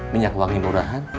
minyak wangi murahan